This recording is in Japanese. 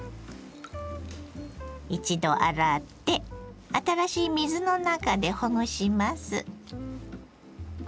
一度洗って新しい水の中でほぐします。